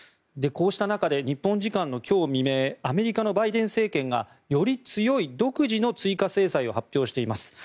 こうした中で日本時間今日未明アメリカのバイデン政権がより強い独自の追加制裁を発表しています。